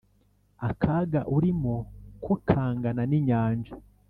Akaga urimo ko kangana n’inyanja,